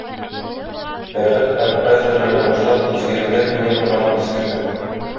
Бәхет һәм һәртөрле уңышлар, изгелекләр иңә торган изге көн.